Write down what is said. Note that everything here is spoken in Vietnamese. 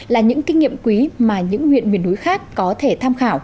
là những kinh nghiệm quý mà những huyện miền núi khác có thể tham khảo